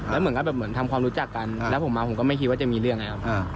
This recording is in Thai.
แล้วคุณก็ทำความรู้จักกันและผมมาผมคิดว่าจะไม่มีเรื่องนั้น